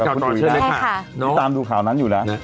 กับคุณอุ๋ยนะใช่ค่ะนี่ตามดูข่าวนั้นอยู่นะ